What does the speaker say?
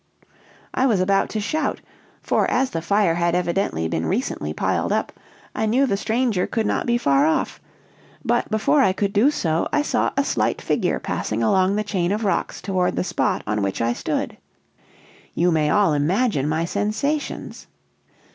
I was about to shout, for as the fire had evidently been recently piled up, I knew the stranger could not be far off; but, before I could do so, I saw a slight figure passing along the chain of rocks toward the spot on which I stood. You may all imagine my sensations.